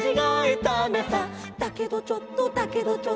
「だけどちょっとだけどちょっと」